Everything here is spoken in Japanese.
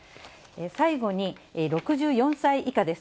最後に６４歳以下です。